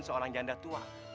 seorang janda tua